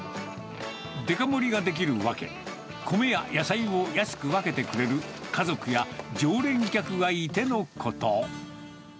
デカ盛りができる訳、米や野菜を安く分けてくれる、家族や常連客がいてのこと。